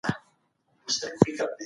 کله ذهني ګډوډي د ژور خوب مخه نیسي؟